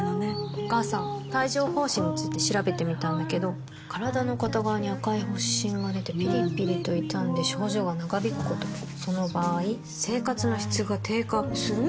お母さん帯状疱疹について調べてみたんだけど身体の片側に赤い発疹がでてピリピリと痛んで症状が長引くこともその場合生活の質が低下する？